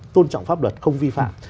tôn trọng pháp luật không vi phạm